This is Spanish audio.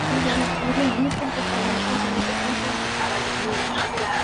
Tenía trece hermanos.